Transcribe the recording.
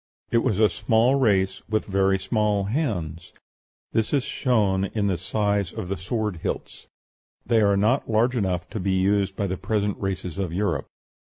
It was a small race, with very small hands; this is shown in the size of the sword hilts: they are not large enough to be used by the present races of Europe.